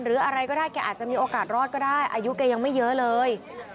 อะไรก็ได้แกอาจจะมีโอกาสรอดก็ได้อายุแกยังไม่เยอะเลย